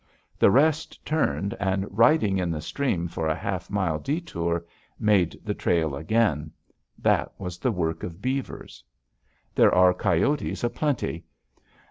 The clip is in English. The rest turned and, riding in the stream for a half mile détour, made the trail again. That was the work of beavers. There are coyotes a plenty.